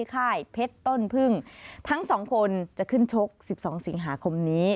ค่ายเพชรต้นพึ่งทั้งสองคนจะขึ้นชก๑๒สิงหาคมนี้